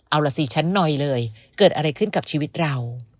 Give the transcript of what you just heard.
เอาล่ะสิฉันหน่อยเลยเกิดอะไรขึ้นกับชีวิตเรา